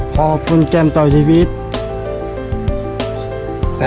ขอบคุณเกมต่อชีวิต